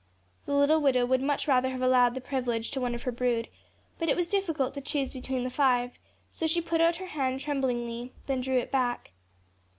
The little widow would much rather have allowed this privilege to one of her brood, but it was difficult to choose between the five; so she put out her hand tremblingly, then drew it back.